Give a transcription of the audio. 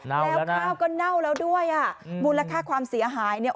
แล้วข้าวก็เน่าแล้วด้วยอ่ะมูลค่าความเสียหายเนี่ย